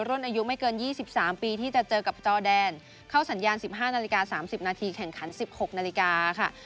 รุ่นอายุไม่เกิน๒๓ปีที่จะเจอกับจอแดนเข้าสัญญาณ๑๕นาฬิกา๓๐นาทีแข่งขัน๑๖นาฬิกาค่ะ